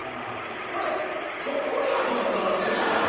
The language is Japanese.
これがひょっこりはんとかやったらすごいなんか。